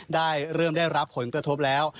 เริ่มได้รับผลกระทบแล้ว